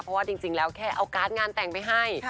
เพราะว่าจริงแล้วแค่เอาการ์ดงานแต่งไปให้